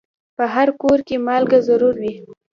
په هر کور کې مالګه ضرور وي.